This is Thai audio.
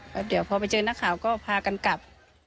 แล้วเดี๋ยวพอไปเจอนักข่าวก็พากันกลับ